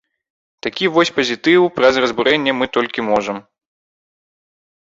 Такі вось пазітыў праз разбурэнне мы толькі можам.